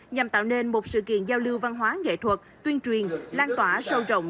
nhằm tạo nên một sự kiện giao lưu văn hóa nghệ thuật tuyên truyền lan tỏa sâu rộng